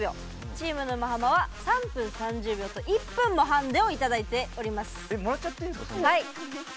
チーム沼ハマは３分３０秒と１分もハンディをいただいております。